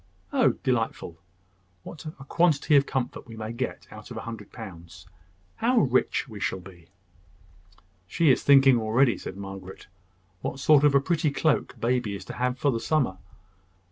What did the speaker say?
"Oh, delightful! What a quantity of comfort we may get out of a hundred pounds! How rich we shall be!" "She is thinking already," said Margaret, "what sort of a pretty cloak baby is to have for the summer."